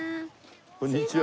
こんにちは。